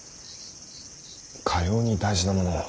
かように大事なものを。